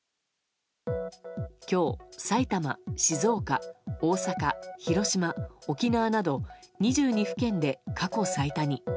今日、埼玉、静岡、大阪、広島沖縄など２２府県で過去最多に。